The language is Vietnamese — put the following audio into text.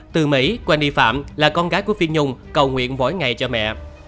từ mỹ wendy phạm là con gái của phi nhung cầu nguyện mỗi ngày cho mẹ